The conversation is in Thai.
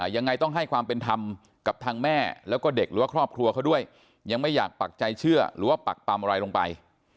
ยังไงต้องให้ความเป็นธรรมกับทางแม่แล้วก็เด็กหรือว่าครอบครัวเขาด้วยยังไม่อยากปักใจเชื่อหรือว่าปักปำอะไรลงไป